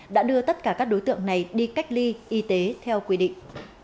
đã đưa tất cả các đối tượng này đi cách ly y tế theo quy định